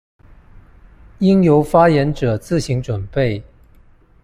應由發言者自行準備